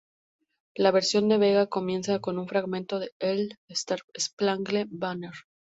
La versión de Bega comienza con un fragmento de"The Star-Spangled Banner".